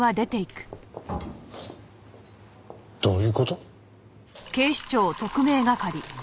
どういう事？